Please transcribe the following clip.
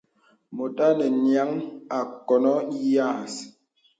Mùt anə nyìa àkoŋɔ̄ yə̀s.